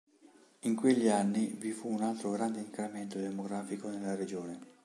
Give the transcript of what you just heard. In quegli anni vi fu un altro grande incremento demografico nella regione.